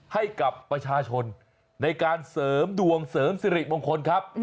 ให้กับประชาชนในการเสริมดวงเสริมสิริมงคลครับ